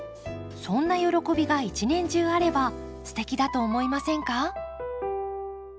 そんな喜びが一年中あればすてきだと思いませんか？